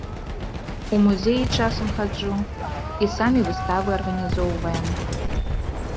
У музеі часам хаджу і самі выставы арганізоўваем.